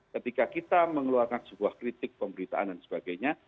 ketika kita mengeluarkan sebuah kritik pemberitaan dan sebagainya